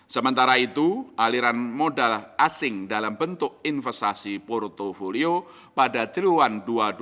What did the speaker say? sementara itu aliran modal asing dalam bentuk investasi portfolio pada triuan dua ribu dua puluh